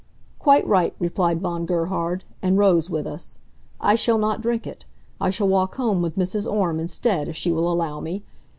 "Quite right," replied Von Gerhard; and rose with us. "I shall not drink it. I shall walk home with Mrs. Orme instead, if she will allow me.